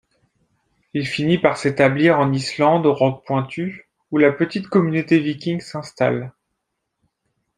Il finit par s'établir en Islande aux Rocs-Pointus où la petite communauté viking s'installe.